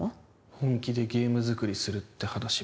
本気でゲーム作りするって話も？